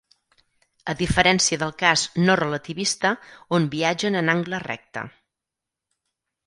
A diferència del cas no relativista on viatgen en angle recte.